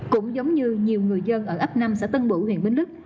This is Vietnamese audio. cũng giống như nhiều người dân ở ấp năm xã tân bủ huyện bình đức